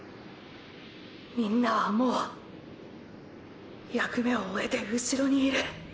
みんなはもう役目を終えてうしろにいる。